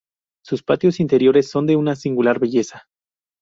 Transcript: Sus patios interiores son de una singular belleza.